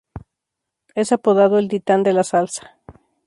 Es apodado "El Titán de la Salsa".